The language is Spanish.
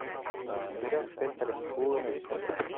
La bandera ostenta el escudo en el centro.